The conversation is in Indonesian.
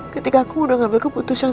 ketika aku udah ngambil keputusan